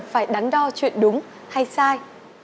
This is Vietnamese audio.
phải đắn đo chuyện đúng hay sai